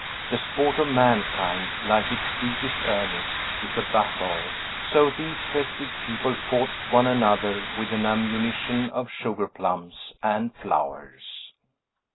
The sport of mankind, like its deepest earnest, is a battle; so these festive people fought one another with an ammunition of sugar plums and flowers.